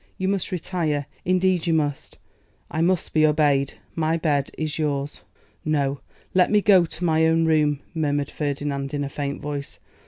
You must retire; indeed you must. I must be obeyed. My bed is yours.' 'No! let me go to my own room,' murmured Ferdinand, in a faint voice.